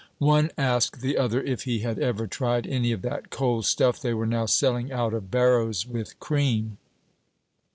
One asked the other if he had ever tried any of that cold stuff they were now selling out of barrows, with cream.